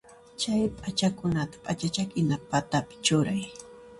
Chay p'achakunata p'acha ch'akina patapi churay.